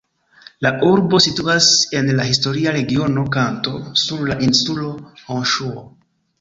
La urbo situas en la historia regiono Kanto, sur la insulo Honŝuo.